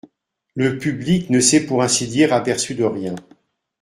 Le public ne s'est pour ainsi dire aperçu de rien.